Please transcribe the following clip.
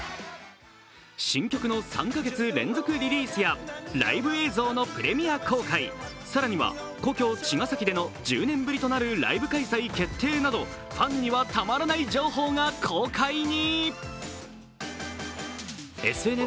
新曲の３か月連続リリースやライブ映像のプレミア公開、更には故郷・茅ヶ崎での１０年ぶりとなるライブ開催決定などファンにはたまらない情報が公開に。